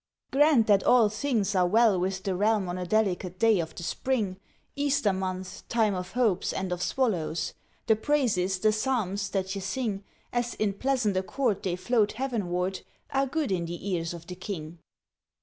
"Grant that all things are well with the realm on a delicate day of the spring, Easter month, time of hopes and of swallows! The praises, the psalms that ye sing, As in pleasant accord they float heavenward, are good in the ears of the king.